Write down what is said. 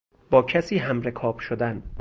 با کسی همرکاب شدن